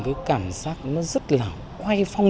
cái cảm giác nó rất là quay phong